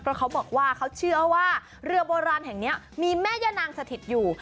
เพราะเขาบอกว่าเขาเชื่อว่าเรือโบราณแห่งนี้มีแม่ย่านางสถิตอยู่